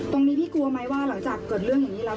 ตรงนี้พี่กลัวไหมว่าหลังจากเกิดเรื่องอย่างนี้แล้ว